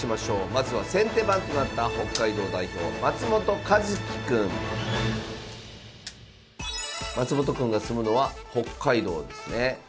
まずは先手番となった松本くんが住むのは北海道ですね。